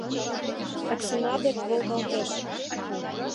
Оксина дек волгалтеш.